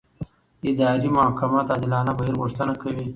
اداري محاکمه د عادلانه بهیر غوښتنه کوي.